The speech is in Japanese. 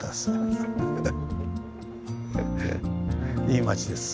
いい町です。